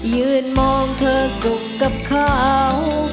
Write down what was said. ยืนมองเธอสุขกับเขา